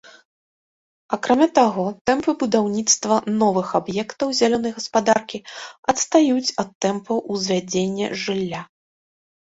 Акрамя таго, тэмпы будаўніцтва новых аб'ектаў зялёнай гаспадаркі адстаюць ад тэмпаў узвядзення жылля.